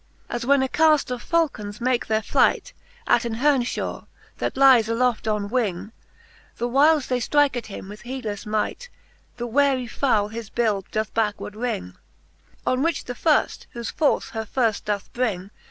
As when a caft of Faulcons make their flight At an Hernefhaw, that lyes aloft on wing, The whyles they ftrike at him with heedlefle might, The warie foule his bill doth backward wring ; On which the firft, whofe force her firft doth bring.